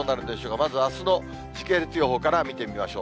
まずあすの時系列予報から見てみましょう。